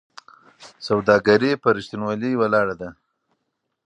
سوداګري په رښتینولۍ ولاړه ده.